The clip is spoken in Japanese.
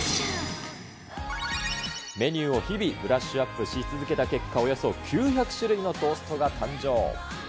メニューを日々、ブラッシュアップし続けた結果、およそ９００種類のトーストが誕生。